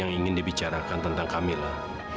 kamila dia bakal kena ke